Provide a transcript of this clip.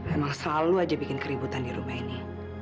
emang selalu aja bikin keributan di rumah ini